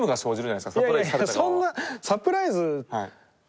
いやいやそんなサプライズ。